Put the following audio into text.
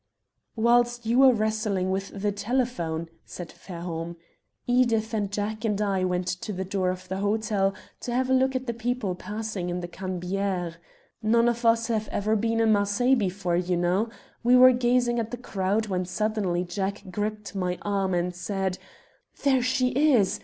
"Whilst you were wrestling with the telephone," said Fairholme, "Edith and Jack and I went to the door of the hotel to have a look at the people passing in the Cannebiere. None of us have ever been in Marseilles before, you know. We were gazing at the crowd, when suddenly Jack gripped my arm and said: 'There she is!